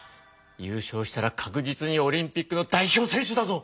ゆうしょうしたら確実にオリンピックの代表選手だぞ！